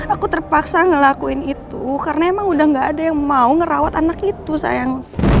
aku terpaksa ngelakuin itu karena emang udah gak ada yang mau ngerawat anak itu sayang